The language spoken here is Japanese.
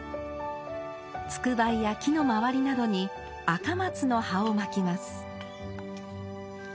つくばいや木の周りなどに赤松の葉をまきます。